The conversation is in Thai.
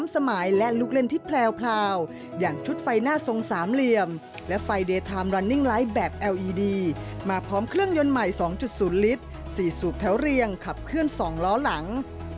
ส่วนใหม่๒๐ลิตรสี่สูบแถวเรียงขับเคลื่อน๒ล้อหลัง